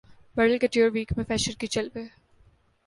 bridal couture week میں fashion کے جلوے